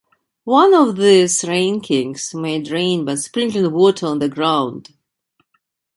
One of these Rain Kings made rain by sprinkling water on the ground.